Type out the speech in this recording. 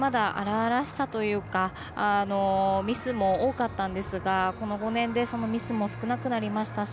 あのときはプレーにまだ荒々しさというかミスも多かったんですがこの５年でそのミスも少なくなりましたし。